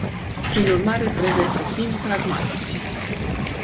Prin urmare, trebuie să fim pragmatici.